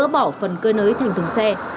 bỏ phần cơi nới thành thùng xe